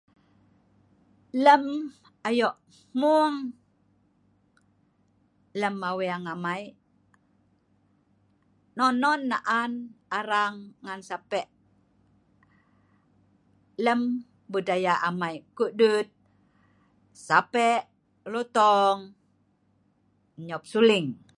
In our village gatherings, any type of dance with sape in our culture, such as sape, lorong and blowing the flute